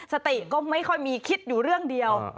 สติก็ไม่ค่อยมีคิดอยู่เรื่องเดียว